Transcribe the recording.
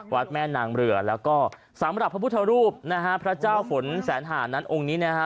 วัดแม่นางเรือแล้วก็สำหรับพระพุทธรูปนะฮะพระเจ้าฝนแสนหานั้นองค์นี้นะฮะ